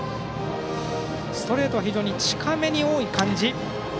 ストレートは非常に近めに多い感じ。